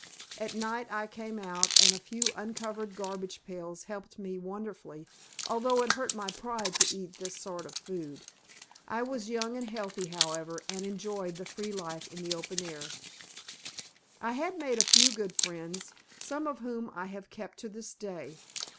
At night I came out, and a few uncovered garbage pails helped me wonderfully, although it hurt my pride to eat this sort of food. I was young and healthy, however, and enjoyed the free life in the open air. I made a few good friends, some of whom I have kept to this day.